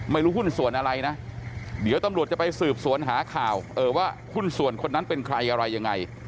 ไม่รู้หุ้นส่วนอะไรนะเดี๋ยวตำรวจจะไปสืบสวนหาข่าวว่าหุ้นส่วนคนนั้นเป็นใครอะไรยังไง